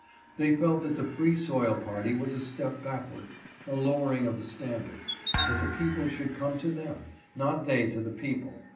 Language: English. They felt that the Free Soil party was a step backward, a lowering of the standard ; that the people should come to them, not they to the people.